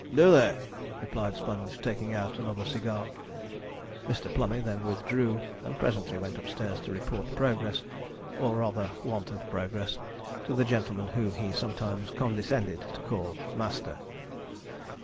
'Do they?' replied Sponge, taking out another cigar. Mr. Plummey then withdrew, and presently went upstairs to report progress, or rather want of progress, to the gentleman whom he sometimes condescended to call 'master.'